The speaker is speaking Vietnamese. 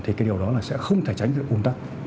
thì điều đó sẽ không thể tránh được ủn tắc